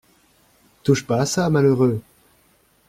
Touche pas à ça, malheureux!